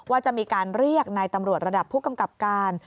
ว่าจะมีการเรียกนายตำรวจระดับผู้กำกับการ